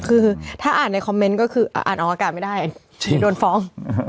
คือถ้าอ่านในคอมเมนต์ก็คืออ่านออกอากาศไม่ได้โดนฟ้อง